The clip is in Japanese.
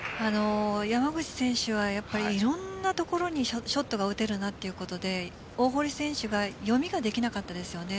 山口選手はいろんなところにショットが打てるなということで大堀選手が読みができなかったですよね。